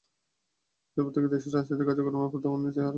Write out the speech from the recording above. এরপর থেকে দেশে রাজনৈতিক কার্যক্রমের ওপর দমন নীতি আরোপ করেন তিনি।